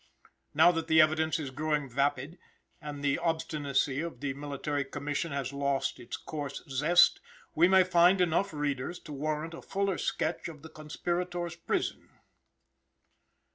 Now that the evidence is growing vapid, and the obstinacy of the military commission has lost its coarse zest, we may find enough readers to warrant a fuller sketch of the conspirators' prison.